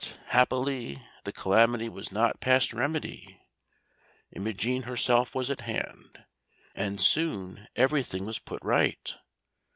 But, happily, the calamity was not past remedy. Imogen herself was at hand, and soon everything was put right.